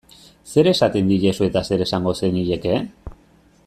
Zer esaten diezu eta zer esango zenieke?